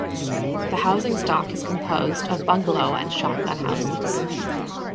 The housing stock is composed of bungelow and shotgun houses.